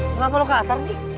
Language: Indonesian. kenapa lo kasar sih